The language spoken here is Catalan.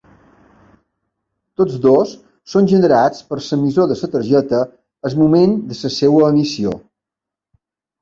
Tots dos són generats per l'emissor de la targeta al moment de la seva emissió.